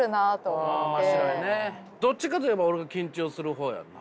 どっちかといえば俺は緊張する方やんな。